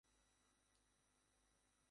সোডার বোতলের বুদবুদের মতো!